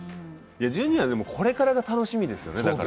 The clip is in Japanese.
ジュニアでもこれからが楽しみですよね。